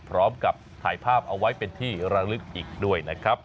พร้อมกับถ่ายภาพเอาไว้เป็นที่ระลึกอีกด้วยนะครับ